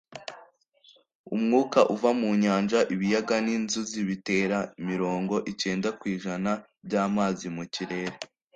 umwuka uva mu nyanja, ibiyaga, n'inzuzi bitera mirongo icyenda ku ijana by'amazi mu kirere